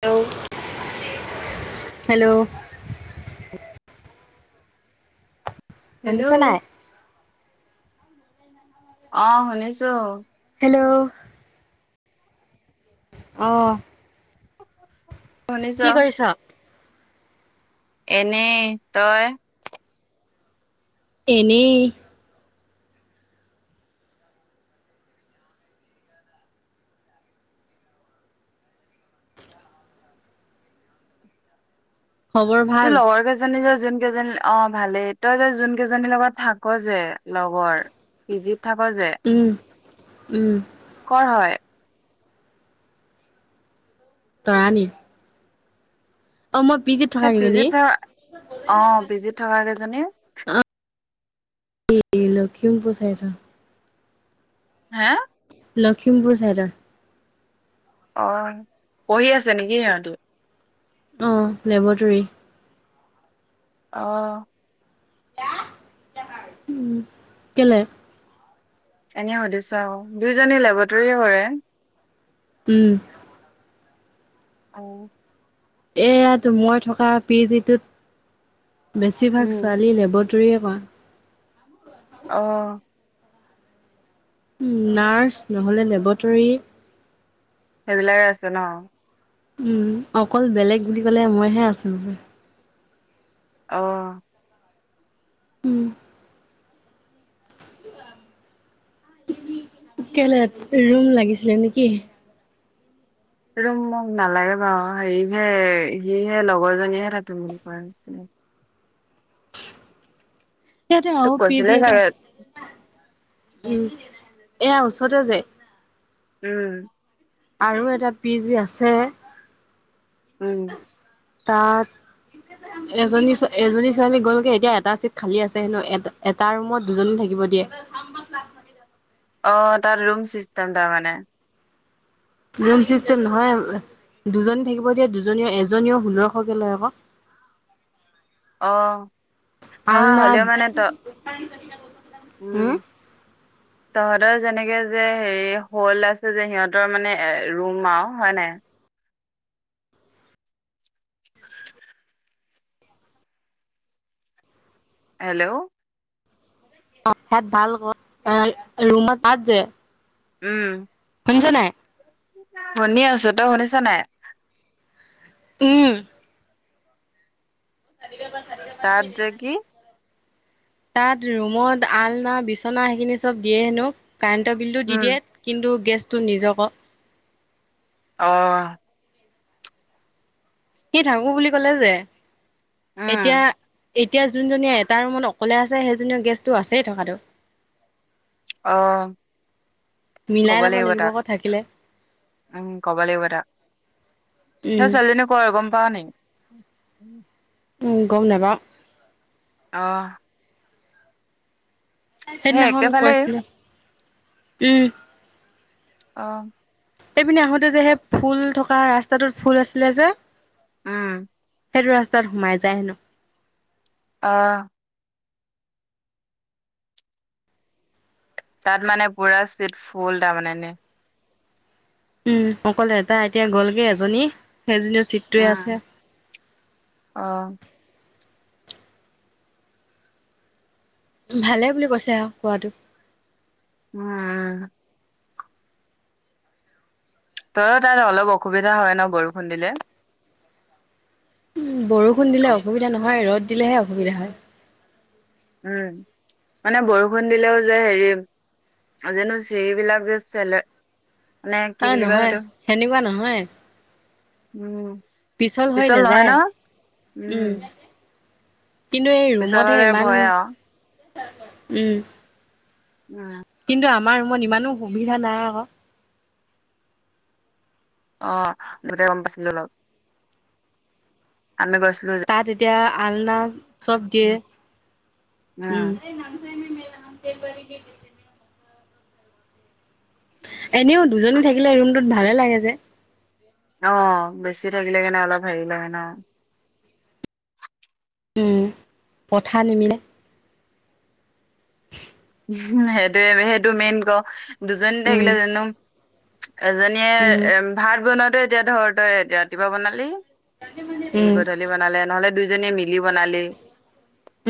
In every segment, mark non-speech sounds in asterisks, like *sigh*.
Hello. Hello. Hello শুনিছান নাই? অ', শুনিছো। হেল্ল'। অ', শুনিছ কি কৰিছ? এনেই তই? এনেই। খবৰ তোৰ ভাল? লগৰ কেইজনী যে যোন কেইজনী অ', ভালেই তই যে যোন কেইজনীৰ লগত থাক যে লগৰ পি জি থাক যে। উম, উম। ক'ৰ হয়? তৰানি। সেই পি জি কেইজনী ত থকা, অহ, পি জি ত থকা কেইজনীৰ? এই লখিমপুৰ চাইডৰ। হা'। লখিমপুৰ চাইডৰ। অ' পঢ়ি আছে নেকি সিহঁতি? অ' লেবৰেটৰী। অ', উম্ কেলে? এনেই সুধিছো আৰু দুইজনী লেবৰেটৰীয়েই হয়। উম আহ এইয়াতো মই থকা পি জিটোত বেছিভাগ উম ছোৱালী লেবদ তেওৱান অ উ নাৰচ নহ'লে লেবৰেটৰী সেইবিলাকে আছে ন উম অকল বেলেগ বুলি ক'লে মইহে আছো আহ উম কেলে ৰুম লাগিছিলে নেকি ৰুম মোক নালাগে বাৰ হেৰিহে সিহে লগৰজনীয়েহে থাকিম বুলি কৈ আছে ইয়াতে আহ তোক পি জি কৈছিলে এটা চাগে আছে উম এয়াচ সিহঁতৰ যে উম আৰু এটা পিজ আছে উম তাত এজনী এজনী ছোৱালী গ'ল কে এতিয়া এটা চিট খালী আছে হেনো এটা এটা ৰুমত দুজনী থাকিব কিব দিয়ে অ তাৰ ৰুম চিষ্টেম টা মানে ৰুম চিষ্টেম নহয় দুজনী থাকিব দিয়া দুজনীও এজনীও ষোল্ৰশকে লৈ আক আহ নহয় আলনা হ'লেও মানে ত উম তহঁতৰ যেনেকে যে হেৰি হল আছে যে সিহঁতৰ মানে এ ৰুম আৰু হয় নাই হেল্লৌ অ তাত ভাল ব ৰুমত তাত যে উম খুনছনাই শুনি আছো তই শুনিছ নাই উম তাত যে কি তাত ৰুমত আলনা বিচনা সেইখিনি চব দিয়ে ন কাৰেণ্টৰ বিলটো দি উম দিয়ে কিন্তু গেছটো নিজব আহ সি থাকো বুলি ক'লে যে উম এতিয়া এতিয়া যোনজনীয়ে এটা ৰুমত অকলে আছে সেইজনী গেষ্টটো আছেই থকাতটো অহ মিলাই লব লাগিব আকৌ থাকিলে উম কব লাগিব সেই উম ছোৱালীজনী কৰ আৰু গম পাৱও নেকি *inaudible* উম গম নেপাও অহ সেই সেইদিনাখন একেফালেই কৈছিলো উম অ এইপিনে আহোতে যে সেই ফুল থকা ৰাস্তাটোত ফুল আছিলে যে উম সেইটো ৰাস্তাত সোমাই যায় হেনো অহ তাত মানে পুৰা চিট ফুল তাৰমানেনে উম অকলে এটাা এতিয়া গ'লগে এজনী সেইজনী ছিটটোৱে উম, আছে অহ, ভালে বুলি কৈছে আহ খোৱাাতটো উম তই তাত অলপ অসুবিধা হয় ন বৰষুণ দিলে উ বৰষুণ দিলে অসুবিধা নহয় ৰ'দ দিলেহে অসুবিধা হয় উম মানে বৰষুণ দিলেও যে হেৰি জানো চিৰিবলাক যে চলে মানে অ কি বুলি কয় নহয় সেইটো সেনেকুৱা নহয় উম হৈ পিছল নহয় নাযায় ন উম কিন্তু এই পিছল ৰুমতহে হ'লে ইমান ভয় আৰু উম উম কিন্তু আমাৰ ৰুত ইমানো সুবিধা নাই আকৌ অ দুতে গম পাইছিলো অলপ আমি গৈছিলোঁ যে তাত এতিয়া আলনা চব দিয়ে উম দে পাৰ গি এনেও দুজনী থাকিলে ৰুমটোত ভালে লাগে যে অ বেছি থাকিলে কেনেে অলপ হেৰি লয় ন উ পঠাৰ নিমিলে সেইটোোৱে সেইটো মেইন ক দুজনী উম থাকিলে জানো এজনীয়ে উম এ ভাত বনোৱাতেো এতিয়া ধৰ তই ৰাতিপুৱা বনালি এই উম গধূলি বনালে নহ'লে *unintelligible* হৈ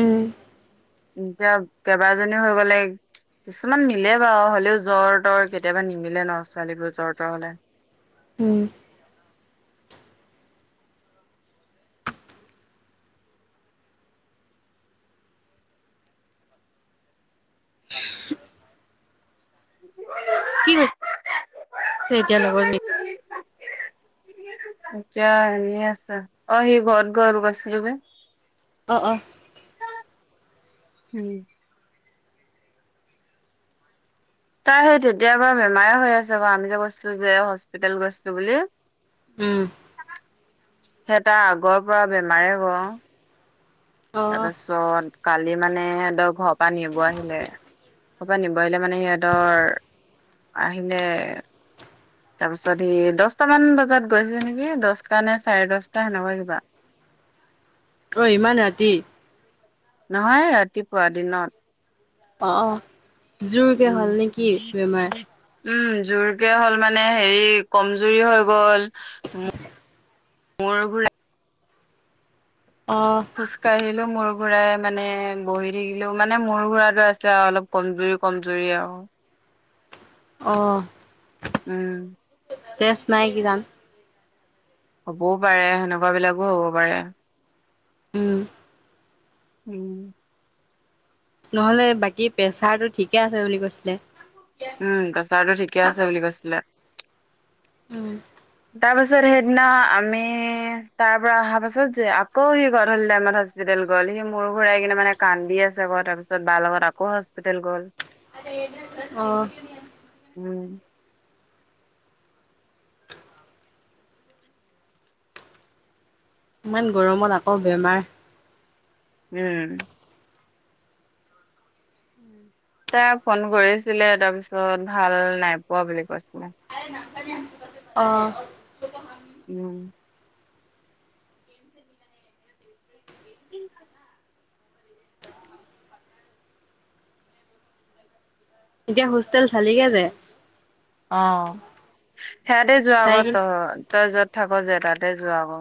উম কিছুমান নিলে বাৰু হ'লেও জ তৰ কেতিয়াবা নিমিলে ন ছোৱালীবোৰ জ তৰ হলে উম *unintelligible* সতিয়া নবজ ন উ আছ অ সি ঘৰত ঘৰু কছ ল গ অ অঁ উম তাই সেই তেতিয়া বাৰু বেমাৰে হৈ আছে বাৰ আমি যে গৈছো যে হস্পিতেেল গৈছো বুলি *inaudible* উম সেইহ তাৰ আগৰ পৰা বেমাৰে হ অ তাৰপিছত কালি মানে ধৰ ঘৰৰ পৰা নিব আহিলে ক'ৰবাত নিব আহিলে মানে সিহঁতৰ আহিলে তাৰপিছত সি দহটামান বজাত গৈছে নেকি দহটা নে চাৰে দহটা সেনেকুৱা কিবা *inaudible* অ ইমান ৰাতি নহয় ৰাতিপুৱা দিনত অ অ জোৰকে উম হ'ল নেকি বেমাৰ উম জোৰকে হ'ল মানে হেৰি কমজুৰি হৈ গ'ল মোৰ ঘোৰা অ খুচকাাহ আহ ো মোৰ ঘুৰাই মানে বহি থাকিলো মানে মোৰ ঘুৰাতটো আছে আৰু অলপ কমজুৰি কমজুৰি আৰু *inaudible* অহ। উম। তেজ নাই কিজান। হ'বও পাৰে সেনেকুৱাবিলাকো হ'ব পাৰে। উম উম। নহ'লে বাকী প্ৰেচাৰটো ঠিকে আছে বুলি কৈছিলে। উম, প্ৰেচাৰটো ঠিকে আছে বুলি কৈছিলে। উম। তাৰ পাছত সেইদিনা আমি তাৰ পৰা অহা পাছত যে আকৌ সি গধূলি টাইমত হস্পিতাল গ'ল। সি মোৰ ঘূৰাই কেনে মানে কান্দি আছে, আকৌ তাৰপিছত বাৰ লগত আকৌ হস্পিতেল গ'ল। আহ। উম। ইমান গৰমত আকৌ বেমাৰ উম। তাই ফোন কৰিছিলে তাৰপিছত ভাল নাই পোৱা বুলি কৈছিলে। *inaudible* অ'। উম। *inaudible* এতিয়া হোষ্টেল চালি গে যে অ', সেয়াতে যোৱা চাই আকৌ কিন ত-তই য'ত থাক যে। তাতে যোৱা হ'ব।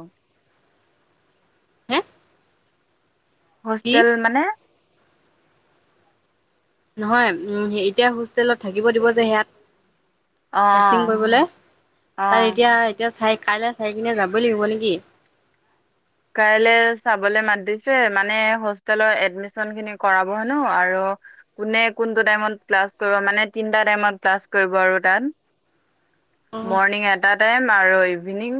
হে কি হোষ্টেল মানে নহয় উম এতিয়া হোষ্টেলত থাকিব দিব যে সেয়াত অ', ক্ৰচিং অ', কৰিবলৈ। তাত অ'। এতিয়া এতিয়া চাই কাইলৈ চাই কেনে যাব লাগিব নে কি? কাইলৈ চাবলে মাত দিছে। মানে হোষ্টেলৰ এডমিচনখিনি কৰাব হেনো আৰু কোনে কোনটো টাইমত ক্লাছ কৰিব। মানে তিনটা টাইমত ক্লাছ কৰিব আৰু তাত। অ *inaudible* মৰ্ণিং এটা টাইম আৰু ইভিনিং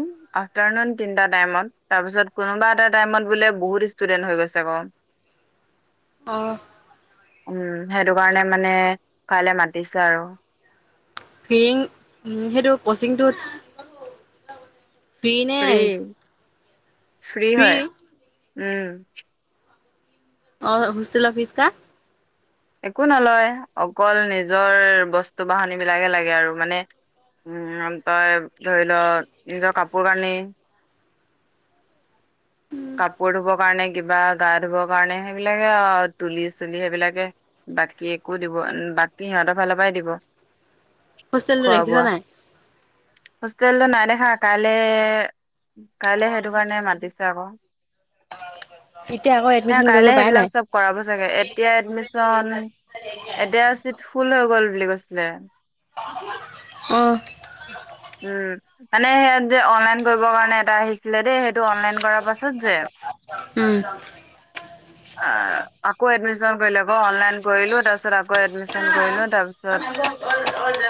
আফটাৰনুন তিনিটা টাইমত। তাৰপিছত কোনোবা এটা টাইমত বোলে বহুত ষ্টুডেন্ট হৈ গৈছে গৈ। অহ। উম, সেইটো কাৰণে মানে কাইলৈ মাতিছে আৰু। ফ্ৰিং উম সেইটো ক্ৰচিংটোত ফ্ৰিনে? ফ্ৰী ফ্ৰী হয়, উম। অ', হোষ্টেল ফ্ৰীচতা? একো নলয় অকল নিজৰ বস্তু বাহনীবিলাকে লাগে আৰু মানে উম, তই ধৰি ল নিজৰ কাপোৰ কানি। কাপোৰ ধুবৰ কাৰণে কিবা গা ধুবৰ কাৰণে। সেইবিলাকে আৰু তুলি চুলি সেইবিলাকে। বাকী একো দিব বাকি সিহঁতৰ ফালৰ পৰাই দিব। হোষ্টেলটো খোৱা দেখিছনে বোৱা নাই? হোষ্টেলটো নাই দেখা কাইলে কাইলে সেইটো কাৰণে মাতিছে আকৌ। এতিয়া আকৌ *inaudible* নাই এডমিশন কৰিব কাইলে পাই সেইবিলাক নাই চব কৰাব চাগে। এতিয়া এডমিচন এতিয়া চিত ফুল হৈ গ'ল বুলি কৈছে। অ উম, মানে যে অনলাইন কৰিবৰ কাৰণে এটা আহিছিলে দেই সেইটো অনলাইন কৰাৰ পাছত যে উম আ আকৌ এডমিচন কৰিল আকৌ অনলাইন কৰিলো তাৰপিছত আকৌ উম, এডমিশন কৰিলো তাৰপিছত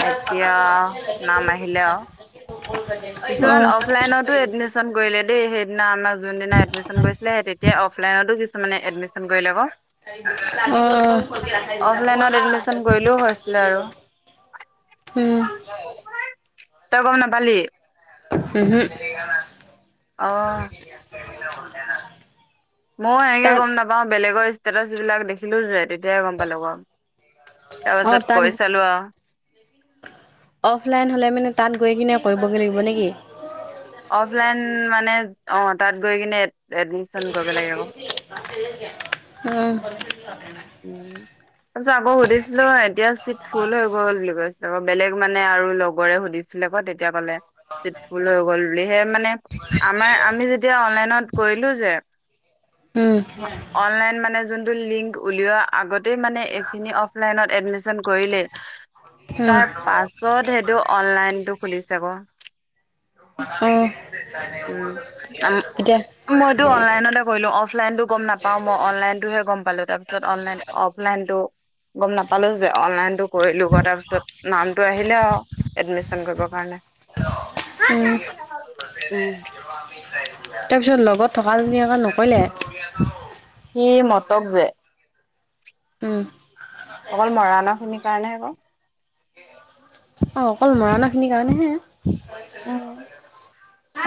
এতিয়া নাম আহিলে আৰু কিছুমান অফলাইনতো এডমিশন কৰিলে দেই সেইদিনা আমাৰ যোনদিনা এডমিশন কৰি তেতিয়া অফলাইনতো কিছুমানে এডমিশন কৰি ল'ব *inaudible* এডমিশন কৰিলেও হৈছিলে আৰু উম তগ ন বালি উহ আহ ময়ো এনেকে তাত গম নাপাও বেলেগৰ ষ্টেটাচ বিলাক দেখিলো যে তেয়া দেৰ গম্প লগৰ তাৰ অ', পাছত তাত কৰি চালোৱা অফলাইন হলে মানে তাত গৈ কিনে কৰিবগৈ লাগিব নেকি অফলাইন মানে অ তাত গৈ কিনে এডমিচন কৰিব লাগে আক উম উম তাৰপিছত আকৌ সুধিছিলো এতিয়া চিট ফুল হৈ গ গ'ল বুলি কৈছিলে আ বেলেগ মানে আৰু লগৰে সুধিছিলে ক তেতিয়া কাললে চিটফুল হৈ গল বুলিহে মানে আমাৰ আমি যেতিয়া অনলাইনত কৰিলো যে উম, অনলাইন মানে যোনটো লিংক উলিওৱা আগতেই মানে এইখিনি অফলাইনত এডমিশন কৰিলে উম, তাৰ পাছত সেইটো অনলাইনতটো খুলিছে গ উম উম আম এতিয়া মইতো অনলাইনতে কৰিলো অফলাইনতো গম নাপাও মই অনলাইনতটোহে গম পালো তাৰপিছতলাইন অফ অলাণ্ডো গম নাপালো যে অনলাইনতটো কৰিলো তাৰপিছত নামটো আহিলে আৰু এডমিশন কৰিব কাৰণে কালে উম উম তাৰপিছত লগত থকাজনীে নক'লে স মতক যে উম অকল মৰাণা খিনিৰ কাৰণে আকৌ অ অকল মৰাণা খিনিৰ কাৰণেহে উম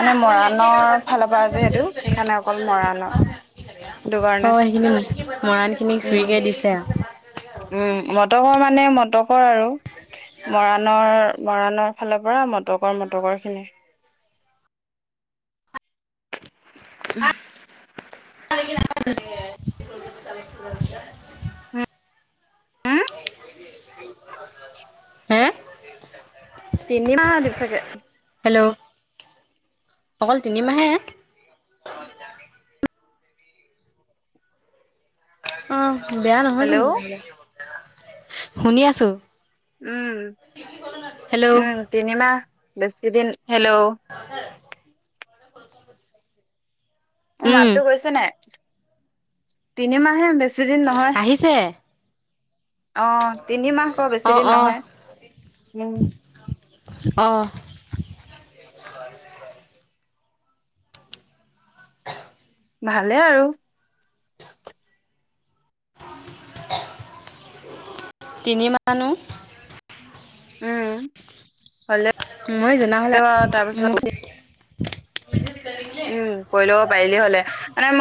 মানে মৰাণৰ ফালৰ পৰা যিহেতটো সেইকাৰণে অকল মৰাণৰ সেইটো অ কাৰণে সেইখিনি মৰাণ খিনি উম ঘুৰিকে দিছে আৰু উম মটকৰ মানে মটকৰ আৰু মৰাণৰ মৰাণৰ ফালৰ পৰা মটকৰ মটকৰ খিনি হ *inaudible* উম, হে তিনি দিসকে হেল্ল' অকল তিনিমাহে অ বেয়া নহয়চোন হেল্ল' শুনি আছো উম হেল্ল' উম তিনিমাহ বেছি দিন হেল্ল' উ উম মাতো গৈছে নাই তিনিমাহে বেছি দিন নহয়। আহিছে অ তিনি মাহক বেছি অ দিন অ নহয় উম অ' ভালে আৰু তিনি মানুহ উম। হ'লেও মই জনা হ'লে আৰু তাৰপিছত মোক উম কৰি ল'ব পাৰিলি হ'লে মানে